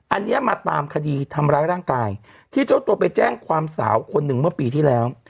อันนี้มาตามคดีทำร้ายร่างกายที่เจ้าตัวไปแจ้งความสาวคนหนึ่งเมื่อปีที่แล้ว